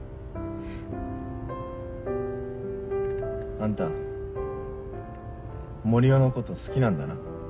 あんた森生のこと好きなんだな。